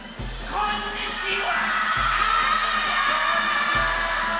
こんにちは！